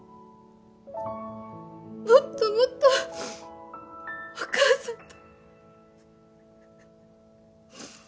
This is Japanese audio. もっともっとお義母さんと。